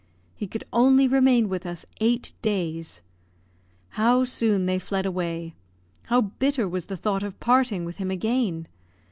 He could only remain with us eight days. How soon they fled away! How bitter was the thought of parting with him again!